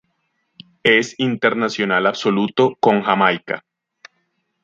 Es internacional absoluto con Jamaica.